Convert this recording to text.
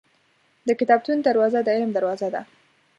• د کتابتون دروازه د علم دروازه ده.